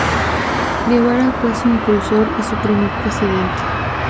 Guevara fue su impulsor y su primer presidente.